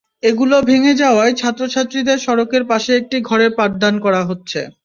এগুলো ভেঙে যাওয়ায় ছাত্রছাত্রীদের সড়কের পাশে একটি ঘরের পাঠদান করা হচ্ছে।